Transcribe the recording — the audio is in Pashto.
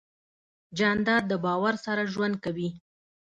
جانداد د باور سره ژوند کوي.